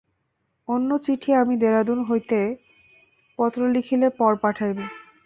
অন্য চিঠি আমি দেরাদুন হইতে পত্র লিখিলে পর পাঠাইবে।